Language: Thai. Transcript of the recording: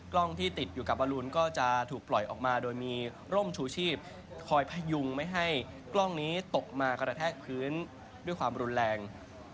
กล้องที่ติดอยู่กับบอลูนก็จะถูกปล่อยออกมาโดยมีร่มชูชีพคอยพยุงไม่ให้กล้องนี้ตกมากระแทกพื้นด้วยความรุนแรง